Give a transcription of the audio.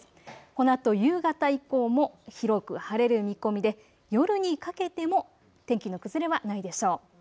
このあと夕方以降も広く晴れる見込みで夜にかけても天気の崩れはないでしょう。